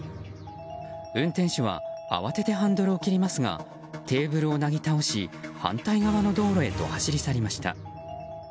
運転手は慌ててハンドルを切りますがテーブルをなぎ倒し反対側の道路へと走り去りました。